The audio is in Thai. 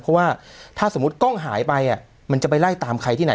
เพราะว่าถ้าสมมุติกล้องหายไปมันจะไปไล่ตามใครที่ไหน